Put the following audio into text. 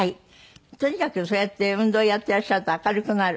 とにかくそうやって運動やってらっしゃると明るくなる？